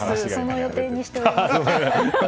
その予定にしております。